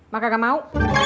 mak gak mau